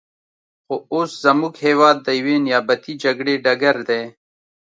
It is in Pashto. خو اوس زموږ هېواد د یوې نیابتي جګړې ډګر دی.